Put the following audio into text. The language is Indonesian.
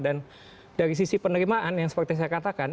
dan dari sisi penerimaan yang seperti saya katakan